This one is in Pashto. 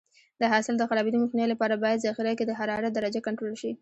د حاصل د خرابېدو مخنیوي لپاره باید ذخیره کې د حرارت درجه کنټرول شي.